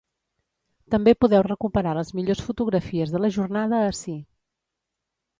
També podeu recuperar les millors fotografies de la jornada ací.